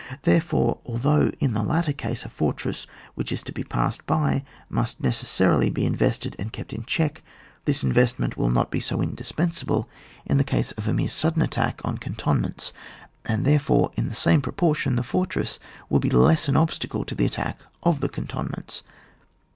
Therefore, although in the latter case, a fortress which is to be passed by must necessarily be invested and kept in check, this in vestment will not be so indispensable in the case of a mere sudden attack on can tonments, and therefore in the same pro portion the fortress will be less an ob stacle to the attack of the cantonments.